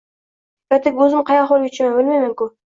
Ertaga oʻzim qay ahvolga tushaman, bilmayman-ku...